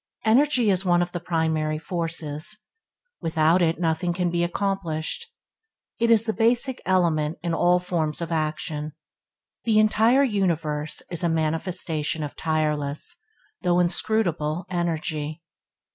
Energy is one of the primary forces: without it nothing can be accomplished. It is the basic element in all forms of action. The entire universe is a manifestation of tireless, though inscrutable energy.